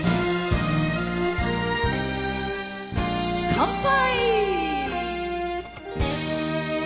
乾杯！